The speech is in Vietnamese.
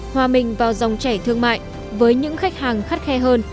hòa mình vào dòng chảy thương mại với những khách hàng khắt khe hơn